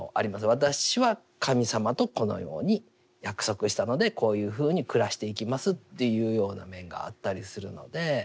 私は神様とこのように約束したのでこういうふうに暮らしていきますというような面があったりするので。